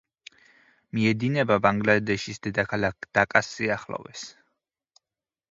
მიედინება ბანგლადეშის დედაქალაქ დაკას სიახლოვეს.